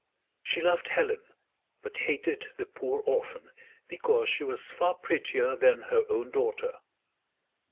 She loved Helen, but hated the poor orphan, because she was far prettier than her own daughter.